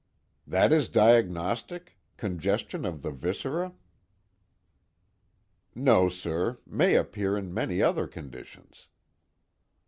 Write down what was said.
"That is diagnostic? congestion of the viscera?" "No, sir may appear in many other conditions."